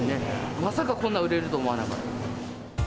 まさかこんな売れると思わなかった。